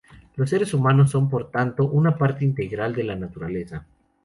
Los seres humanos son, por tanto, una parte integral de la naturaleza.